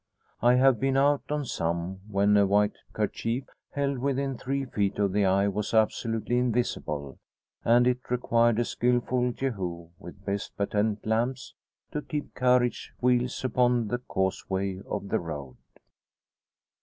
I have been out on some, when a white kerchief held within three feet of the eye was absolutely invisible; and it required a skilful Jehu, with best patent lamps, to keep carriage wheels upon the causeway of the road.